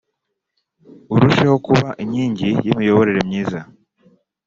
urusheho kuba inkingi y’imiyoborere myiza